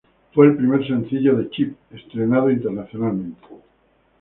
Fue el primer sencillo de Chip estrenado internacionalmente.